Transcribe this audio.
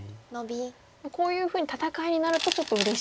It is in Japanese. こういうふうに戦いになるとちょっとうれしいと。